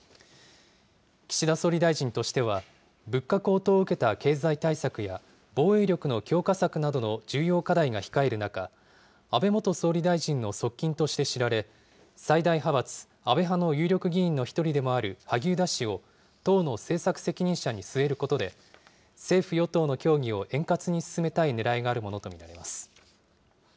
岸田総理大臣としては、物価高騰を受けた経済対策や防衛力の強化策などの重要課題が控える中、安倍元総理大臣の側近として知られ、最大派閥、安倍派の有力議員の一人でもある萩生田氏を、党の政策責任者に据えることで、政府・与党の協議を円滑に進めたいねらいがあるものと見られます。